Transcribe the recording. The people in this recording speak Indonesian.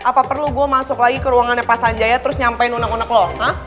apa perlu gua masuk lagi ke ruangannya pasan jaya terus nyampein unek unek lo